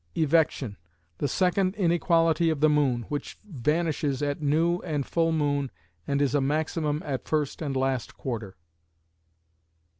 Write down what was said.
Evection: The second inequality of the moon, which vanishes at new and full moon and is a maximum at first and last quarter.